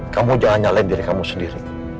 kamu jangan nyalain diri kamu sendiri